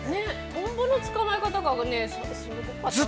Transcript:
◆トンボの捕まえ方がね、すごかったなあ。